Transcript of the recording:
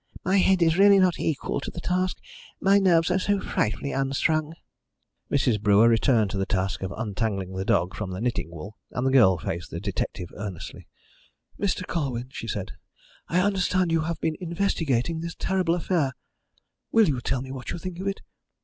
"My head is really not equal to the task my nerves are so frightfully unstrung." Mrs. Brewer returned to the task of untangling the dog from the knitting wool, and the girl faced the detective earnestly. "Mr. Colwyn," she said, "I understand you have been investigating this terrible affair. Will you tell me what you think of it?